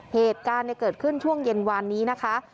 เหตุการณ์เกิดขึ้นช่วงเย็นวานนี้นะคะ